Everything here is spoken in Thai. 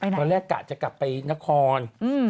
ตอนแรกกะจะกลับไปนคร